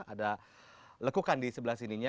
ada lekukan di sebelah sininya